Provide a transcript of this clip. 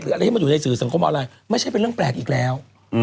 หรือไออะไรที่อยู่ในสื่อสงคมอะไรไม่ใช่เป็นเรื่องแปลกอีกแล้ว